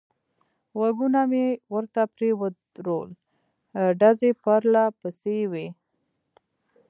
غوږونه مې ورته پرې ودرول، ډزې پرله پسې وې.